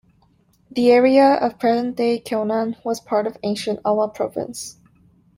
The area of present-day Kyonan was part of ancient Awa Province.